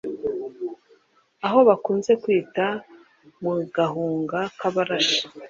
aho bakunze kwita mu Gahunga k’Abarashi.